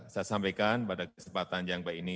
saya sampaikan pada kesempatan yang baik ini